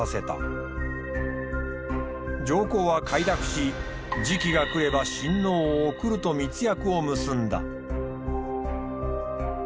上皇は快諾し時期が来れば親王を送ると密約を結んだ。